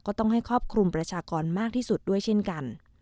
ก็ต้องให้ครอบคลุมประชากรมากที่สุดด้วยเช่นกัน